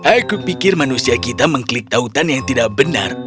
aku pikir manusia kita mengklik tautan yang tidak benar